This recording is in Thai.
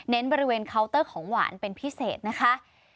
บริเวณเคาน์เตอร์ของหวานเป็นพิเศษนะคะ